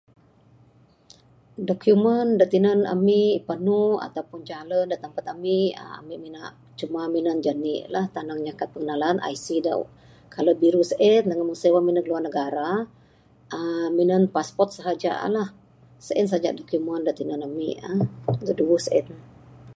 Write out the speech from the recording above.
Dokumen da tinan ami panu ataupun jalen da tempat ami uhh ami mina cuma minan janik la tanang inya kad pengenalan...ic da kaler biru sien dangan mbuh sien wang ami neg luar negara uhh minan passport sahaja la...sien saja dokumen da tinan ami uhh da duweh sien.